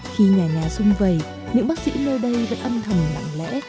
khi nhà nhà sung vầy những bác sĩ nơi đây vẫn ân thầm lặng lẽ